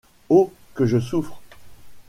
Oh ! que je souffre !…